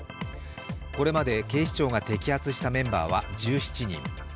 これまで警視庁が摘発したメンバーは１７人。